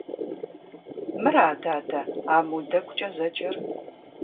Мыра, дадэ, аму дэгукӀэ зэджэр?